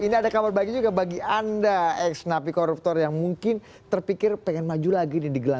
ini ada kabar baiknya juga bagi anda